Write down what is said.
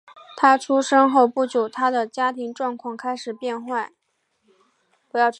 他出生后不久他的家庭状况开始变坏。